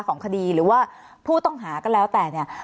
ของคดีหรือว่าผู้ต้องหาก็แล้วแต่เนี่ย